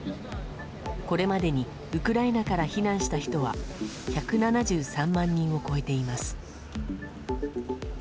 これまでにウクライナから避難した人は１７３万人を超えています。